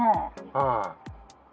うん。